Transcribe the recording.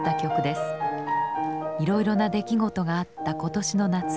いろいろな出来事があった今年の夏。